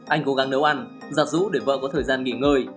anh cố gắng nấu ăn giặt rũ để vợ có thời gian nghỉ ngơi